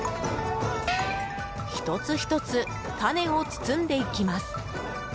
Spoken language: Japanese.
１つ１つタネを包んでいきます。